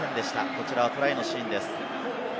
こちらはトライのシーンです。